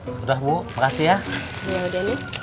sudah bu makasih ya